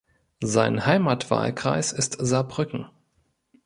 Sein Heimatwahlkreis ist Saarbrücken.